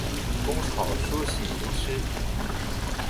工草书喜吟诗。